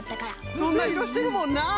そんないろしてるもんな！